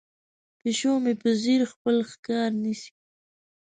پیشو مې په ځیر خپل ښکار نیسي.